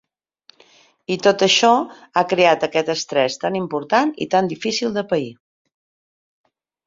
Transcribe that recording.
I tot això ha creat aquest estrès tan important i tan difícil de pair.